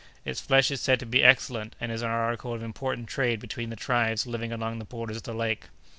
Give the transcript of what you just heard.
Its flesh is said to be excellent and is an article of important trade between the tribes living along the borders of the lake."